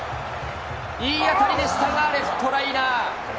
いい当たりでしたがレフトライナー。